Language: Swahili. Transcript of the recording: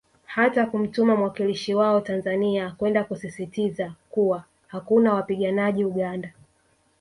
Hata kumtuma mwakilishi wao Tanzania kwenda kusisisitiza kuwa hakuna wapiganajji Uganda